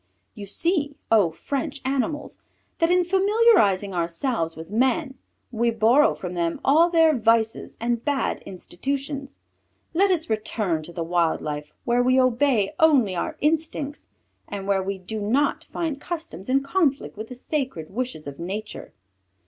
You see, O! French Animals, that in familiarizing ourselves with men, we borrow from them all their vices and bad institutions. Let us return to the wild life where we obey only our instincts, and where we do not find customs in conflict with the sacred wishes of Nature.